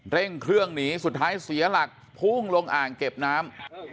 เร่งเครื่องหนีสุดท้ายเสียหลักพุ่งลงอ่างเก็บน้ำ